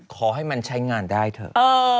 ขอให้มันใช้งานได้เถอะ